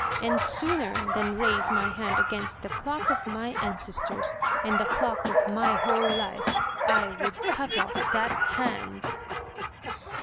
And sooner than raise my hand against the clock of my ancestors, and the clock of my whole life, I would cut off that hand!'